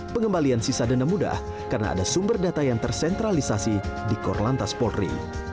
pengembalian sisa denda mudah karena ada sumber data yang tersentralisasi di korlantas polri